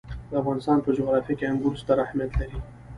د افغانستان په جغرافیه کې انګور ستر اهمیت لري.